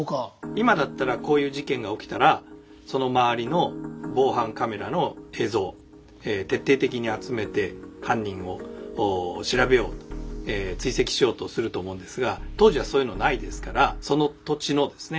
今だったらこういう事件が起きたらその周りの防犯カメラの映像を徹底的に集めて犯人を調べようと追跡しようとすると思うんですが当時はそういうのないですからその土地のですね